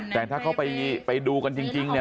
แต่ถ้าเขาไปดูกันจริงเนี่ย